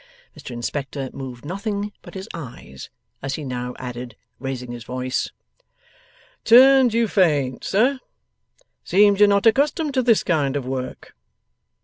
Mr Inspector moved nothing but his eyes, as he now added, raising his voice: 'Turned you faint, sir! Seems you're not accustomed to this kind of work?